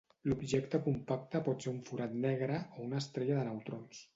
L'objecte compacte pot ser un forat negre, o una estrella de neutrons.